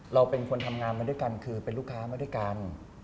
เราเป็นคนทำงานมาด้วยกันคือเป็นลูกค้ามาด้วยกัน